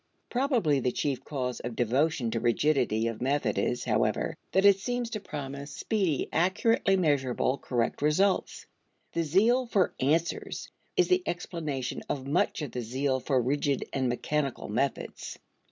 Probably the chief cause of devotion to rigidity of method is, however, that it seems to promise speedy, accurately measurable, correct results. The zeal for "answers" is the explanation of much of the zeal for rigid and mechanical methods.